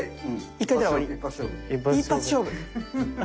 一発勝負！？